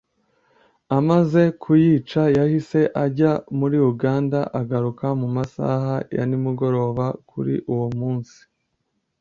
Amaze kuyica yahise ajya muri Uganda agaruka mu masaha ya nimugoroba kuri uwo munsi